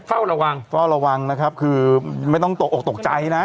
เฝ้าระวังเฝ้าระวังนะครับคือไม่ต้องตกออกตกใจนะ